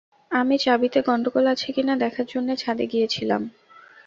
আমি চাবিতে গণ্ডগোল আছে কি না দেখার জন্যে ছাদে গিয়েছিলাম।